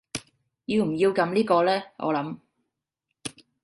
要唔要撳呢個呢我諗